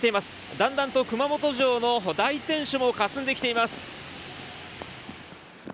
だんだんと熊本城の大天守もかすんできています。